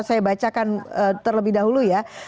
saya bacakan terlebih dahulu ya